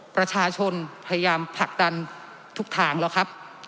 ประชาชนพยายามผลักดันทุกทางแล้วครับ